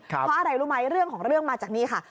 เพราะอะไรรู้ไหมเรื่องของเรื่องมาจากนี่ค่ะ